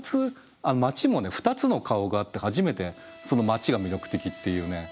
街も２つの顔があって初めてその街が魅力的っていうね。